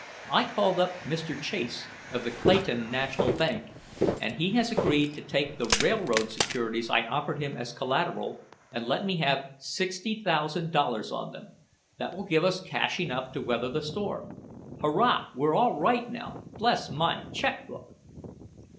I called up Mr. Chase, of the Clayton National Bank, and he has agreed to take the railroad securities I offered him as collateral, and let me have sixty thousand dollars on them! That will give us cash enough to weather the storm. Hurrah! We're all right now. Bless my check book!"